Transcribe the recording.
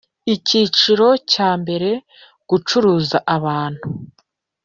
Icyiciro cya mbere Gucuruza abantu